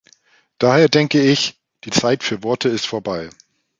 Daher denke ich, die Zeit für Worte ist vorbei.